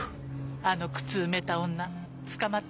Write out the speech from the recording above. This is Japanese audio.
あの靴埋めた女捕まったの？